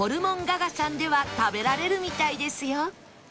我楽さんでは食べられるみたいですよ